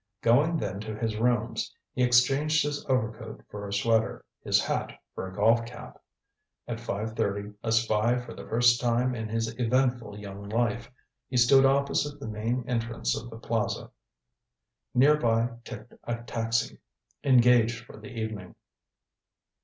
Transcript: Going then to his rooms, he exchanged his overcoat for a sweater, his hat for a golf cap. At five thirty, a spy for the first time in his eventful young life, he stood opposite the main entrance of the Plaza. Near by ticked a taxi, engaged for the evening.